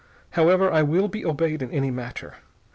However, I will be obeyed in any matter.